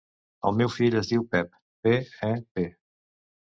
El meu fill es diu Pep: pe, e, pe.